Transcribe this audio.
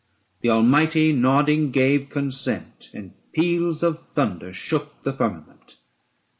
The Almighty, nodding, gave consent; And peals of thunder shook the firmament.